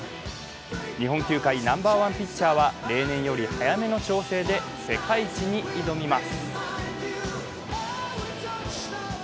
日本球界ナンバーワンピッチャーは例年より早めの調整で世界一に挑みます。